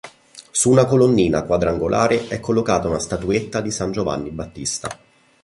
Su una colonnina quadrangolare è collocata una statuetta di San Giovanni Battista.